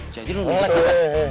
jadi lu nuduh kan